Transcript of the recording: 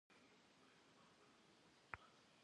Yiç'eş'ıp'eç'e skore pomoşır khêcen xuêyş.